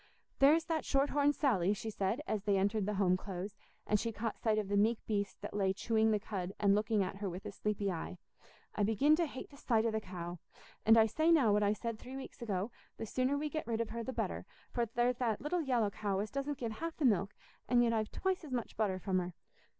"There's that shorthorned Sally," she said, as they entered the Home Close, and she caught sight of the meek beast that lay chewing the cud and looking at her with a sleepy eye. "I begin to hate the sight o' the cow; and I say now what I said three weeks ago, the sooner we get rid of her the better, for there's that little yallow cow as doesn't give half the milk, and yet I've twice as much butter from her."